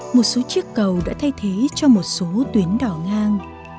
một số chiếc cầu đã thay thế cho một số tuyến đỏ ngang